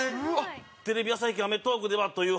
「テレビ朝日系『アメトーーク』では」という話。